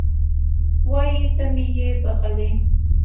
وایي ته مې یې بښلی